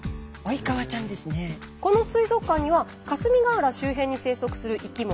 この水族館には霞ヶ浦周辺に生息する生き物